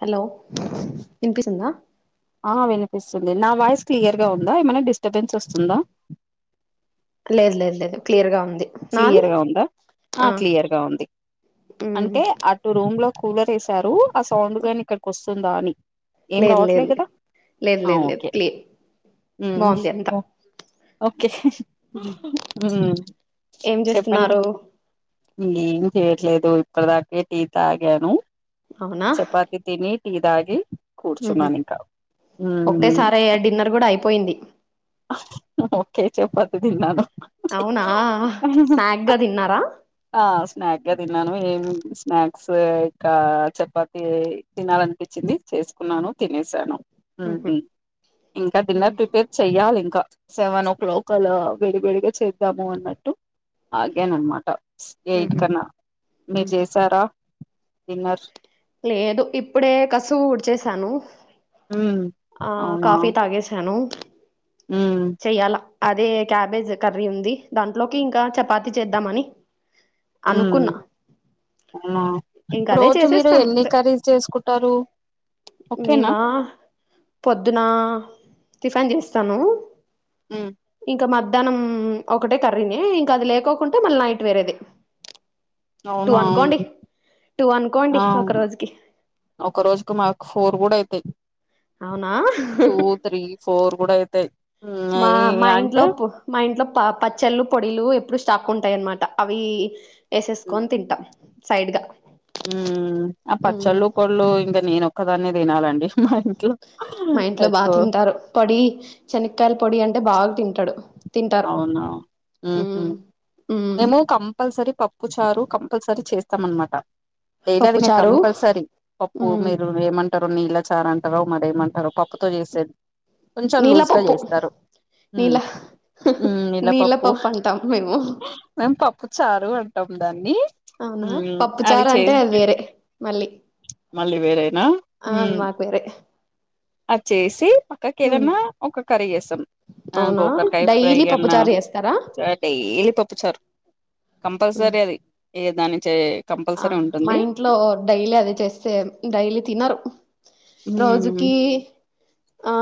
Hello ఇనిపిస్తందా ఆ వినిపిస్తుంది నా వాయిస్ క్లియర్గా ఉందా ఏమైనా డిస్టర్బెన్స్ వస్తుందా లేదు లేదు లేదు క్లియర్ గా ఉంది నాది ఆ క్లియర్గా ఉంది మ్మ్ అంటే అటు రూమ్ లో కూలర్ వేసారు ఆ సౌండ్ గాని ఇక్కడికి వస్తుందా అని ఏం లేదు రావట్లేదు లేదు కదా లేదు ఆ లేదు లేదు ఓకే క్లి మ్మ్ బాగుంది అంతా ఓ ఓకే మ్మ్ ఏం చేస్తున్నారు ఇంగ ఏమి చేయట్లేదు ఇప్పటి దాకే టీ తాగాను అవునా చపాతి తిని టీ తాగి మ్మ్ కూర్చున్నాను ఇంకా మ్మ్ ఒకటేసారి డిన్నర్ కూడా అయిపోయింది ఒకే చపాతి తిన్నాను అవునా స్నాక్ గా తిన్నారా ఆ సస్నాక్గా తిన్నాను ఏమి స్నాక్స్ ఇంకా చపాతి తినాలనిపిచ్చింది చేసుకున్నాను తినేసాను హ్మ్ మ్మ్ హు ఇంకా డిన్నర్ మ్మ్ ప్రిపేర్ చెయ్యాలి ఇంకా సెవెన్ ఓ క్లాక్ అలా విడివిడిగా చేద్దాము అన్నట్టు ఆగాను అనమాట మ్మ్ ఎయిట్ మ్మ్ కన్నా మీరు చేసారా డిన్నర్ లేదు ఇప్పుడే కసువు ఊడ్చేసాను హ్మ్. ఆ అవునా కాఫీ తాగేసాను హ్మ్. చెయ్యాలా అదే క్యాబేజ్ కర్రీ ఉంది దాంట్లోకి ఇంకా చపాతి చేద్దాం అని మ్మ్ మ్మ్ ఇంక అదే రోజు మీరు జు చేసేస్తాం ఎన్ని కర్రీస్ చేసుకుంటారు ఓకేనా మేమా పొద్దున టిఫన్ చేస్తాను మ్మ్ ఇక మధ్యాహ్నం ఒకటే కర్రీనే ఇంకా అది లేకోకుంటే మళ్ళీ నైట్ వేరేది టూ అవునా అనుకోండి టూ అనుకోండి ఆ ఒక రోజుకి ఒక రోజుకి మాకు ఫోర్ కూడా అయితయి అవునా ఫోర్ కూడా అయితాయి మా ఉమ్ మా అంటే ఇంట్లో మా ఇంట్లో పచ్చళ్ళు పొడిలు ఎప్పుడు స్టాక్ ఉంటాయి అన్నమాట అవి వేసేసుకొని తింటాం సైడ్గా హ్మ్ ఆ పచ్చళ్ళు పొళ్ళు ఇంక నేను ఒక్కదాన్నే తినాలండి మా ఇంట్లో మా ఇంట్లో బా ఎక్కువ తింటారు పొడి శనక్కాయల పొడి అంటే బాగా తింటాడు తింటారు అవునా ఊహూ హ్మ్ మేము కంపల్సరీ పప్పు చారు కంపల్సరీ చేస్ స్తామన్నమాట డైలీ పప్పు అది చారు కంపల్సరీ పప్పు మ్మ్ మీరు ఏమ అంటారు నీళ్ళ చారు అంటారో మరేమంటారో పప్పుతో చేసేది కొంచెం నీళ్ళ లూజ్గా పప్పు చేస్తారు నీళ్ళ హ్మ్ నీళ్ళ నీళ్ళపప్పు పప్పు అంటాం మేము మేము పప్పు చారు అంటాం దాన్ని అవునా మ్మ్ పప్పు చారంటే చేసి అది వేరే మళ్ళీ మళ్ళీ వేరేనా అ మాకు వేరే అదిచేసి అక్క ఉమ్ కేదన్నా ఒక కర్రీ చేస్తాను ఆ అవునా గోకాకాయ ఫ్రై డైలీ అన్న పప్పుచారు చేస్తారా డైలీ పప్పుచారు ఉమ్ కంపల్సరీ అది ఇ దానించ ఆ మా ఇంట్లో డైలీ అది చేస్తే డైలీ తినరు ఉమ్ రోజుకి ఆ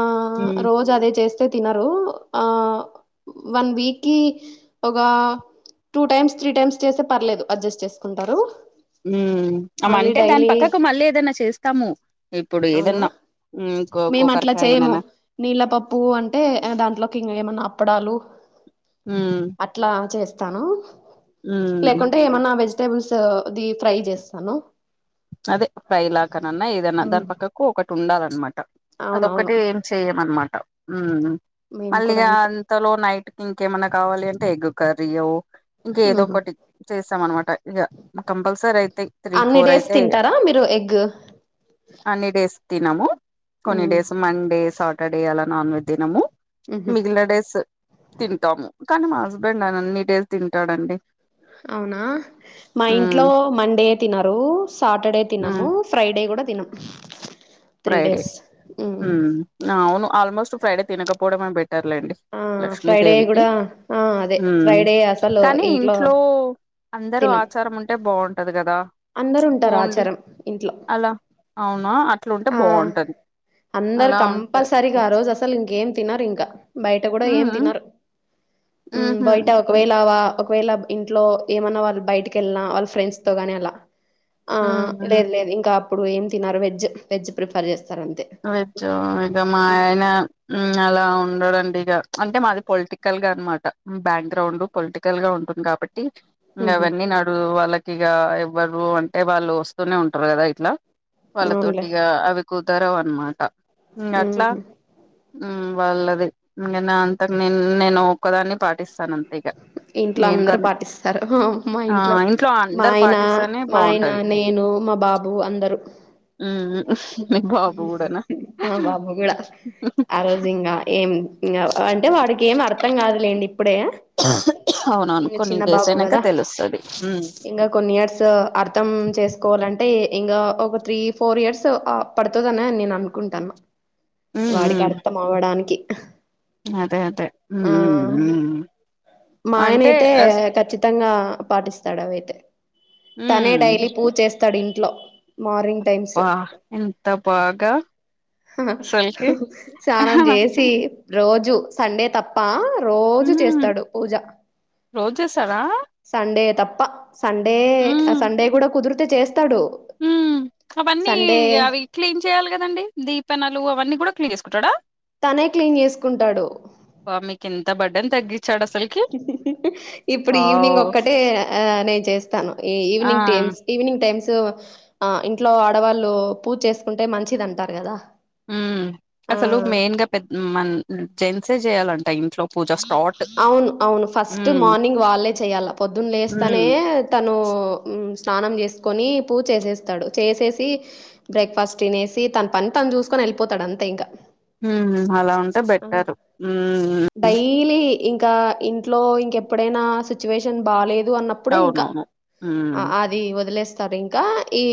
ఉమ్ రోజు అదే చేస్త తినరు ఆ వన్ వీక్ కి ఒక టూ టైమ్స్ త్రీ టైమ్స్ చేసే పర్లేదు అడ్జస్ట్ చేసుకుంటారు హ్మ్ మళ్ళీ అంటే దాని డైలీ పక్కకు మళ్ళీ ఏదన్నా చేస్తాము ఇప్పుడు అవునా ఏదన్నా ఉమ్ గో మేము అట్లా చేయము గోకరకాయననా నీళ్ళపప్పు అంటే దాంట్లోకి ఇంకా ఏమన్నా అప్పడాలు ఉమ్ అట్లా చేస్తాను ఉమ్ లేకుంటే ఏమన్నా వెజిటబుల్స్ ది ఫ్రై చేస్తాను అదే ఫైలాకనన్నా ఏదన్నా మ్మ్ దాని పక్కకు ఒకటి ఉండాలి అన్నమాట అవునవును అదొక్కటే ఏం చెయమన్నమాట హ్మ్ మేము కూడా మళ్ళీగా అంతే అంతలో నైట్ ఇంకేమన్నా కావాలి అంటే ఎగు కర్రీయో ఇంక ఏదో మ్మ్ ఒకటి చేసాం అనమాట ఇక కంపల్సరీ అయితే త్రీ అన్ని ఫోర్ అయితే డేస్ తింటారా మీరు ఎగ్ అన్ని డేస్ తినము కొన్ని మ్మ్ డేస్ మండే సాటర్డే అలా నాన్ వెజ్ తినము మ్మ్ మిగిలిన డేస్ తింటాము కానీ మా హస్బెండ్ ఆయన అన్ని డేస్ తింటాడండి అవునా మా ఇంట్లో ఉమ్ మండే తినరు కు సాటడే ఉమ్ తినము ఫ్రైడే కూడా తినం త్రీ ఫ్రైడే డేస్ మ్మ్ హ్మ్ అవును ఆల్మోస్ట్ ఫ్రైడే తినకపోడమే బె ట్టర్లండి ఆ ఫ్రైడే లక్ష్మీదేవికి కూడా ఆ అదే హ్మ్ ఫ్రైడే అసలు కానీ ఇంట్లో అందరూ ఆచారం ఉంటే బాగుం అందరూ ఉంటారు ఆచారం ఇంట్లో అలా అవునా అట్లుంటే ఆ బాగుంటది అందరు అలా ఉంటే కంపల్సరిగా ఆ రోజు అసలు ఇంకేం తినరు ఇంకా బయట కూడా ఏం ఉహు తినరు ఉహు బయట ఒకవేళ వా ఒకవేళ ఇంట్లో ఏమన్నా వాళ్ళు బయటకి వెళ్ళినా వాళ్ళ ఫ్రెండ్స్ తో గాని అలా ఆ ఉహు లేదు లేదు ఇంకా అప్పుడు ఏం తినరు వెజ్ వెజ్ ప్రిఫర్ చేస్ వెజ్ ఆ ఇగ మా ఆయన ఉమ్ అలా ఉండడండి ఇగ అంటే మాది పొలిటికల్ గా అనమాట బ్యాక్ గ్రౌండు పొలిటికల్ గా ఉంటుంది కాబట్ ఇంగ ఉహు అవన్నీ నడూ వాళ్ళ తోగా ఎవ్వరు అంటే వాళ్ళు వస్తూనే ఉంటారు కదా ఇట్లా వాళ్ళతోటి అవునులే ఇగా అవి కు దరవు అన్నమాట ఇంగ అట్లా హ్మ్. ఉమ్ వాళ్ళది ఇంగ నా అంతకు నేన్ నేను ఒక్కదాన్నే పాటిస్తాను అంతే ఇగ ఇంట్లో అందరూ పాటిస్తారు హోం మా ఆ ఇంట్లో మా అందరు ఆయన పాటిస్తానే మా ఆయన బాగుంటది నేను మా బాబు అందరూ ఉమ్ ఉఫ్ మీ బా ఆ బాబు గూడా ఆ రోజు ఇంగ ఏం ఇంగ అంటే వాడికి ఏం అర్థం కాదులేండి ఇప్పుడే అవునవును ఇంగ కొన్ని చిన్న డేస్ బాబు అయినాక గదా తెలుస్తది ఉమ్ ఇంకా కొన్ని ఇయర్స్ అర్థం ఉమ్ చేసుకోవాలంటే ఇంగా ఒక త్రీ ఫోర్ ఇయర్స్ ఆ పడుతుదినే నేను అనుకుంటాన్నా ఉమ్ వాడికి అర్థం అవ్వడానికి అదే అదే ఆ ఉమ్ ఉమ్ మా ఆయన అంటే అయితే అస్ ఖచ్చితంగా పాటిస్తాడు అవైతే తనే ఉమ్ డైలీ పూజ చేస్తాడు ఇంట్లో మార్నింగ్ టైమ్స్ అబ్బా ఎంత బాగా అసల్కి సానం చేసి రోజూ సండే తప్ప రోజూ ఉమ్ చేస్తాడు పూజ రోజు చేస్తారా సండే తప్ ప్ప సండే ఆ సండే కూడా కుదిరితే చేస్ ఊ అవన్నీ ఇగ అవి క్లీన్ చెయ్యాలి కదండి దీపెనలు అవన్నీ కూడా క్లీన్ చేసు తనే క్లీన్ చేసుకుంటాడు త బర్డను తగ్గిచ్చాడు అసలుకి ఇప్పుడు వావ్ తను ఈవినింగ్ ఆ టైమ్స్ ఈవవినింగ్ టైమ్స్ తు ఆ ఇంట్లో ఆడవాళ్ళు పూజ చేసుకుంటే మంచిది అంటారు కదా ఆ అసలు మెయిన్ గా పెద్ మన్ జెన్సే చెయ్యాలంట ఇం అవును అవును ఫస్ట్ హ్మ్. మార్నింగ్ వాళ్ళే చెయ్యాల పొద్దున్న లేస్తానే హ్మ్. తను ఓ ఉమ్స్ స్నానం చేసుకొని పూజ చేసేస్తాడు చేసేసి బ్రేక్ఫాస్ట్ తినేసి తన పని తను చూసుకొనే వెళ్ళిపోతాడు అంతే ఇంక ఊ అలా ఉంటే బెట్టరు ఊ డైలీ ఇంకా ఇంట్లో ఇంకెప్పుడైనా సిచ్యువేషన్ బాలే దు అన్నప్పుడే ఇంకా అవునవును. హ్మ్. ఆ అది వదిలేస్తారు ఇంకా ఈ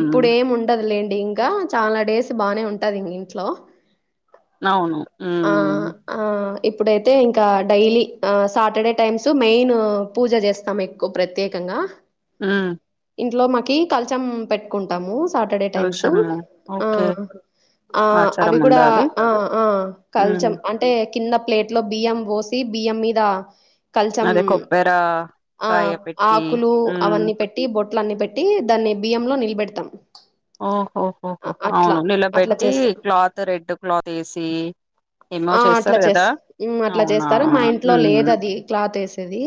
ఇప్పుడు ఏం ఉండదులేం డి ఇంకా చాలా డేస్ బానే ఉంటాది ఇంగ ఇంట్లో అవును ఆ హ్మ్. ఆ ఇప్పుడైతే ఇంకా డైలీ ఆ సాటర్డే టైమ్స్ మెయిన్ పూజ చేస్తాం ఎక్కువ ప్రత్యేకంగా ఊ ఇంట్లో మాకి కల్చం పెట్టుకుంటాము సాటర్డే టైమ్స్ కలశము. ఆ ఓకే. ఆ ఆచారం అవి కూడా ఉందా అది? ఆ ఆ హ్మ్. కల్చం అంటే కింద ప్లేట్ లో బియ్యం పోసి బియ్యం మీద కల్చం అదే కొబ్బెరా ఆ కాయ పెట్టి ఆకులు హ్మ్. అవన్నీ పెట్టి బొట్ అట్లన్ని పెట్టి దాన్ని బియ్యంలో నిలబెడతాం ఓహోహోహో అట్లా అవును అట్లా నిలబెట్టి చేస్తాం క్లాత్ రెడ్ క్లాత్ వేసి ఆ అట్లా చేస్త మ్ అట్ల అవునా? చేస్తారు మా ఇంట్లో లేదది క్లాత్ ఏసేది.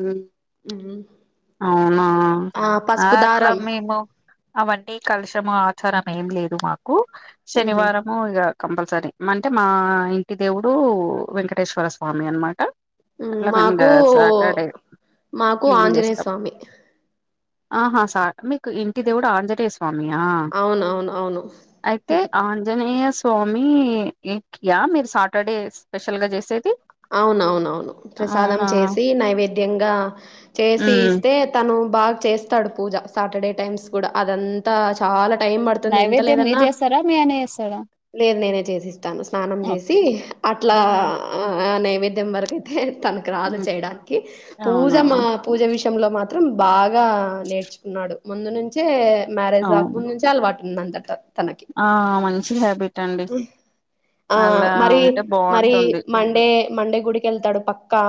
మ్ మ్ అవునా ఆ అట్లా దారం మేము అవన్నీ కలషము, ఆచారం ఏం లేదు మాకు. ఉహు శనివారము ఇ కంపల్ సరే అంటే మా ఇంటి దేవుడు వెంకటేశ్వర స్వామి అన్నమాట. మాకు మాకు క్లీన్ ఆంజనేయ చేస్తాం స్వామి ఆహా సా మీకు ఇంటి దేవుడు ఆజనేయ స్ స్వామియా అవునవును అవును అయితే ఆంజనేయ స్ స్వామియా మీరు సాటర్డే స్పెషల్ గా చేసేది? అవునవునవును ప్రసాదం అవునా చేసి నైవేద్యంగా చేసి ఉమ్ ఇస్తే తను బాగ చేస్తాడు పూజ సాటర్డే టైమ్స్ కూడ అదంతా చాల టైమ్ పడుతుంది ఎంత నైవేద్యం మీరు లేదన్నా చేస్తారా మీ ఆయన చేస్తాడా లేదు నేనే చేసిస్తాను. స్నానం చేసి ఓకే అట్లా ఆ నైవేద్యం వరకయితే తనకు రాదు చేయడానికి. పూజ అవునా మా పూజ విష తంలో మాత్రం బాగా నేర్చుకున్నాడు ముందు నుంచే మ్యారేజ్ గాక అవును ముందునుంచే అలవాటు. ఉందంతట తనకి ఆ మంచి హ్యాబిట్ అండి ఆ అలా మరి ఉంటే మరి బాగుంటుంది మండే మండే గుడికెళ్తాడు పక్కా.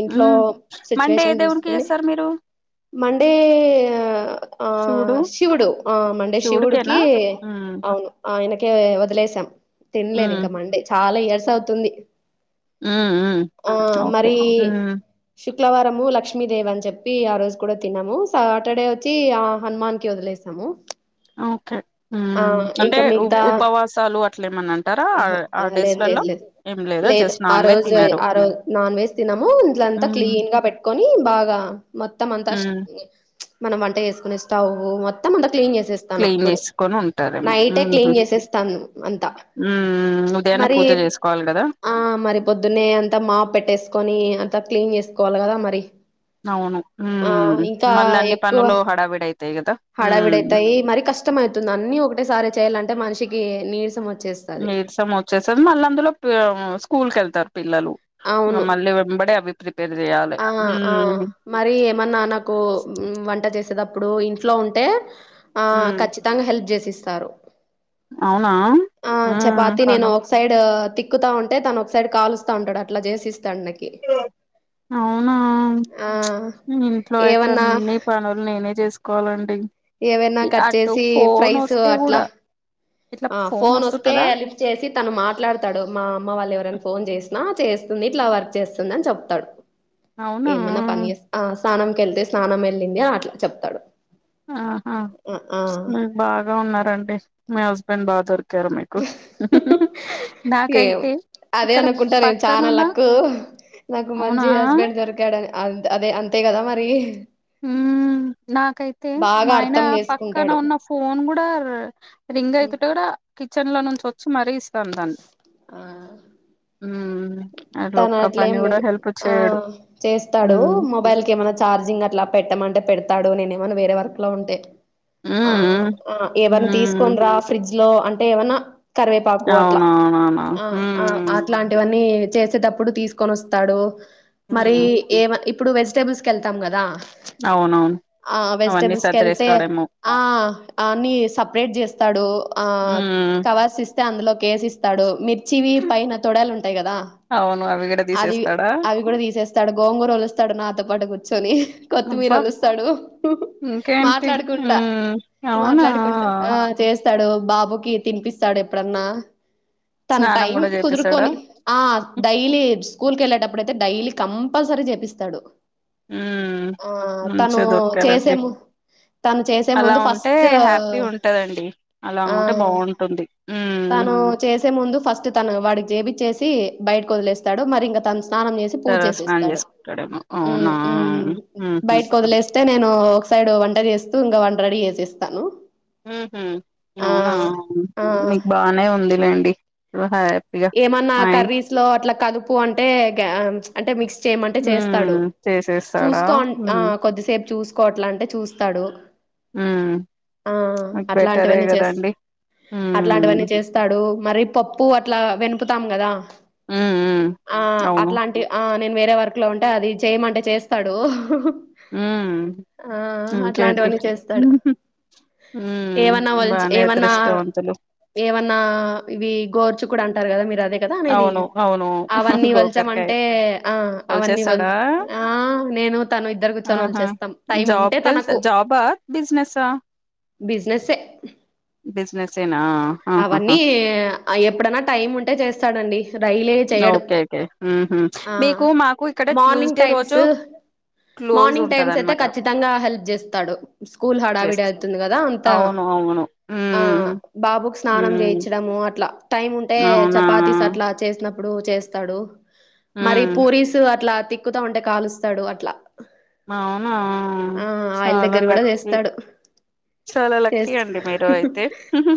ఇంట్లో ఉమ్ మండే ఏ సిచ్యువేషన్ దేవునికి చూసుకొని చేస్తారు మీరు మండే ఆ శివుడు శివుడు ఆ మండే శివుడికేనా శివుడుకి ఉమ్ అవును ఆయన కే వదిలేసాం తినలేదు ఉమ్ ఇంక మండే చాలా ఇయర్స్ అవుతుంది. ఉమ్ ఉమ్ ఓ ఓకే మరి ఉమ్ శుక్లవారము లక్ష్మీదేవి అని చెప్పి ఆ రోజు కూడ తినము. సాటర్డే వచ్చి ఆ హనుమాన్ కి వదిలేస సము ఒకే మ్ అంటే మిగతా ఉపవాసాలు అట్లేమన్న అంటారా ఆ ఆహా ఆ లేదు లేదు డేస్లలో? లేదు ఏం లే లేదు ఆ రోజు ఆ రోజ్ నాన్ వెజ్ తినము ఇల్లంతా ఉమ్ క్లీన్ గ పెట్టుకొని బాగ మొత్తం అంతా ఉమ్ మనం వంట చేసుకునే స్టవ్ మొత్తం అంతా క్లీన్ చేస్ చేస్తాను క్లీన్ అప్పుడు చేసుకొని ఉంటారేమో నైటే క్లీన్ చేసేస్తాను అంతా. మ్ ఉదయాన్నే మరి పూజ చేసుకోవాలి కద ఆ మరి పొద్దున్నే అంతా మా పెట్టేసుకొని అంతా క్లీన్ చేసుకోవాలి కదా మరి అవును ఆ మ్ మళ్ళీ అన్ని పనులు హడావిడై హడావిడయితాయి మరి కష్టమయితుంది. అన్నీ ఒకటేసారి చేయ్యాలంటే మనిషికి నీరసం వొ నీరసం వచ్చేస్తాది మళ్ళీ అందులో పి స్కూల్ కెళ్తారు. పిల్లలు ఇంగ అవును మళ్ళీ వెంబడే అభిప్రీత్ ఆ ఆ మరి ఏమన్న నాకు వంట చేస్ సెటప్పుడు ఇంట్లో ఉంటే ఆ ఉమ్ ఖచ్చితంగా హెల్ప్ చేసిస్తారు. అవునా ఆ ఉమ్ చపాతీ నేను పను ఒక సైడ్ తిక్కుతా ఉంటే తను ఒకసైడ్ కాలుస్తా ఉంటాడు అట్ల చేసిస్తాడు నాకి. అవునా ఆ! ఇంట్లో అయితే ఏవన్నా అన్ని పనులు నేనే చేసుకోవాలండి. ఏవైనా కట్ అటు చేసి ఫోన్ ఫ్రైస్ వస్తే అట్లా కూడా ఇట్లా ఆ ఫోన్ వస్తే వస్తుంటదా హా లిఫ్ట్ చేసి తను మాట్లాడతాడు మా అమ్మ వాళ్ళు ఎవరైనా ఫోన్ చేసినా చేస్తుంది ఇట్లా వర్క్ చేస్తుంది అని చెప్తాడు అవునా ఏమన్నా పనిచేసిన ఆ స్నానంకి వెళ్తే స్నానం వెళ్ళింది అట్లా చెప్తాడు ఆహా ఆ! ఆ! మీకు బాగా ఉన్నారండి మీ హస్బెండ్ బాగ దొరికి దొరికారు మీకు హుహు ఏమో అదే అనుకుంటాను చానా పక్కనున్న లక్కు నాకు మంచి అవునా హస్బెండ్ దొరికాడని అంత్ అదే అంతే కదా మరి హ్మ్ మ్ నాకైతే బాగా మా ఆయన అర్థం పక్కన చేసుకుంటాడు ఉన్న ఫోన్ కూడా రింగ్ అయితుంటే కూడా కి కిచెన్ లో నుంచి వచ్చి మరీ ఇస్త్ ఆ హ్మ్ అట్లా తను ఒక్క అట్లే పని ఏం గూడా లేదు హెల్ప్ ఆ చేయడు చేస్తాడు హ్మ్ మొబైల్ కి ఏమన్నా ఛార్జింగ్ అట్లా పెట్టమంటే పెడతాడు నేనే ఏమైన్నా వేరే వర్క్ లో ఉంటే హ్మ్ ఆ హ్మ్ ఏవన్నా హ్మ్. తీసుకోని రా ఫ్రిడ్జ్ లో అంటే ఏమన్నా కరివేపాకు అట్లా అవునవునవును ఆ ఆ హ్మ్ అట్లాంటివన్నీ చేసేటప్పుడు తీసుకొని వస్తాడు మరి హ్మ్ ఏ ఇప్పుడు వెజిటేబుల్స్ కి వెళ్తాం కదా అవునవును ఆ అవన్నీ వెజిటబుల్స్ కి వెళ్తే సర్దిరేస్తాడేమో ఆ అన్ని సపరేట్ చేస్తాడు ఆ హ్మ్ కవర్స్ ఇస్తే అందులోకి వేసి ఇస్తాడు మిర్చివి పైన తొడలు ఉంటాయి కదా అవును అవి గూడా అది తీసేస్తాడా అవి కూడా తీసేస్తాడు గోంగూర వలుస్తాడు నాతో పాటు కూర్చొని కొత్తిమీర అబ్బా వలుస్తాడు హ్మ్ హు ఇంకేంటి మాట్లాడుకుంటా హ్మ్ అవునా మాట్లాడుకుంటా ఆ చేస్తారు స్తాడు బాబుకి తినిపిస్తాడు ఎప్పుడన్నా తను స్నానం టైమ్ గూడా చేపిస్తాడా కుదురుకొని ఆ డైలీ స్కూల్ కి వెళ్ళేటప్పుడు అయితే డైలీ కంపల్సరీ చేపిస్తాడు హ్మ్ ఆ తను మంచిగా దొరికారండి చేసేము తను చేసే అలా ముందు ఉంటే ఫస్ట్ హ్యాపీ ఉంటదండి అలా ఆ ఉంటే బాగుంటుంది ఉమ్ తను చేసే ముందు ఫస్ట్ తను వాడికి చేపిచ్చేసి బయటకు వదిలేస్తాడు మరి ఇంకా తను స్నానం చేసి పూజ తర స్నానం చేసేస్తాడు చేసుకుంటాడేమో ఉమ్ అవునా ఉమ్ ఉహు బయటకు వదిలేస్తే నేను ఒకసైడ్ వంట చేస్తా చేస్తూ వాణ్ని రెడీ చేసేస్తాను హ్మ్ హు ఆ అవునా ఆ నీకు బానే ఉందిలేండి హ్యాపీగా ఏమన్నా మా ఇం కర్రీస్ లో అట్లా కలుపు అంటే గ అంటే మిక్స్ చేయమంటే చేస్తాడు ఉమ్ చేసేస్తాడా చూసుకో అంట్ ఆ ఉమ్ కొద్దిసేపు చూస్కో చూస్కో అట్లా అంటే చూస్తాడు ఉమ్ ఆ మీకు బెటరే అట్లాంటివన్నీ చేస్తా కదండి ఉమ్ అట్లాంటివన్నీ చేస్తాడు మరి పప్పు అట్లా ఇట్లా వెనుపుతాం కదా ఉమ్ ఉమ్ ఆ అవును అట్లాంటి నేను వేరే వర్క్ లో ఉంటే అది చేయమంటే చేస్తాడు హ్మ్ ఆ ఇంకేంటి అట్లాంటివన్నీ చేస్తాడు హ్మ్ ఏమన్నా వల్చ్ బానే ఏమన్నా అదృష్టవంతులు ఏమన్నా ఇవి గోరు చిక్కుడు అంటారు కదా మీరు అదే కదా అనేది అవును అవును అవన్నీ వలచమంటే గోకరకాయ అంటే ఆ అవన్నీ వలుచు వలిచేస్తాడా ఆ నేను తను ఇద్దరు కూర్చొని ఆహా వలిచేస్తాం టైం జాబ్ ఉంటే కెళ్త తనకు జాబా బిజినెసా బిజినెస్ ఏ బిజినెసేనా ఆహాహా అవన్నీ ఎప్పుడైనా టైమ్ ఉంటే చేస్తాడండి డైలి ఏ చేయడు ఓకే ఓకే ఉహు ఆ మీకు మాకు ఇక్కడ మార్నింగ్ ట్యూస్డే రోజు టైమ్స్ క్లోజ్ మార్నింగ్ టైమ్స్ అయితే ఉంటదనమాట కచ్చితంగా హెల్ప్ చేస్తాడు స్కూల్ చేస్ హడావిడి అవుతుంది కదా అంత అవును అవును ఆ ఉమ్ బాబుక్ స్నానం స్నానం ఉమ్ చేయించడము అట్లా టైమ్ ఉంటే అవునా చపాతీస్ అట్లా చేసినప్పుడు చేస్తాడు మరి ఉమ్ పూరీస్ అట్లా తిక్కుతా ఉంటే కాలుస్తాడు అట్లా అవునా ఆ ఆయిల్ చాలా దగ్గర కూడా లక్కి చేస్తాడు చాలా లక్కీ చేస్ అండి మీరు అయితే హూ హు